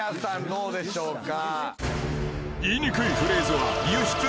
どうでしょうか？